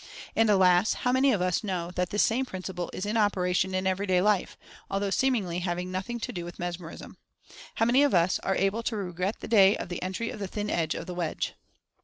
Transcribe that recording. And, alas, how many of us know that this same principle is in operation in every day life, although seemingly having nothing to do with Mesmerism. How many of us are able to regret the day of the entry of the thin edge of the wedge.